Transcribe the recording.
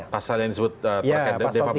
pasal yang disebut defamation